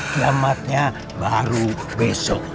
kiamatnya baru besok